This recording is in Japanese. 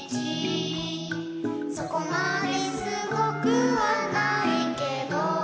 「そこまですごくはないけど」